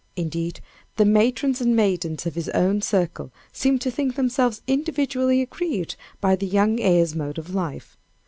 Indeed, the matrons and maidens of his own circle seemed to think themselves individually aggrieved by the young heir's mode of life.